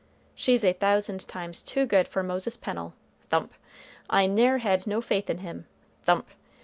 "She's a thousand times too good for Moses Pennel," thump. "I ne'er had no faith in him," thump.